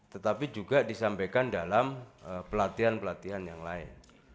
tetapi juga disampaikan dalam pelatihan pelatihan yang lain